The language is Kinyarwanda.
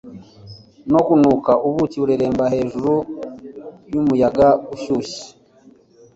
no kunuka ubuki bureremba hejuru yumuyaga ushyushye